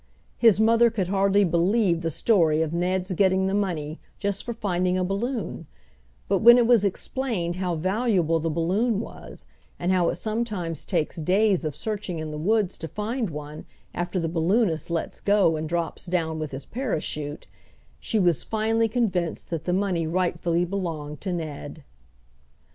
His mother could hardly believe the story of Ned's getting the money just for finding a balloon, but when it was explained how valuable the balloon was, and how it sometimes takes days of searching in the woods to find one after the balloonist lets go and drops down with his parachute, she was finally convinced that the money rightfully belonged to Ned.